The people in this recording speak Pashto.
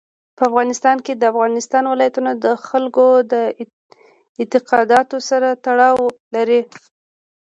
په افغانستان کې د افغانستان ولايتونه د خلکو د اعتقاداتو سره تړاو لري.